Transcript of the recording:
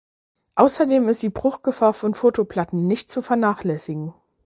Außerdem ist die Bruchgefahr von Fotoplatten nicht zu vernachlässigen.